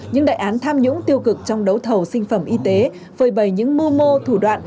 những đại án tham nhũng tiêu cực trong đấu thầu sinh phẩm y tế phơi bày những mưu mô thủ đoạn